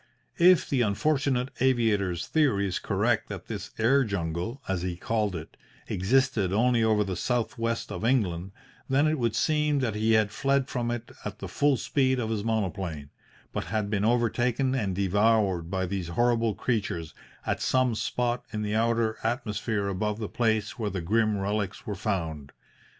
If the unfortunate aviator's theory is correct that this air jungle, as he called it, existed only over the south west of England, then it would seem that he had fled from it at the full speed of his monoplane, but had been overtaken and devoured by these horrible creatures at some spot in the outer atmosphere above the place where the grim relics were found.